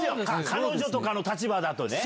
彼女とかの立場だとね。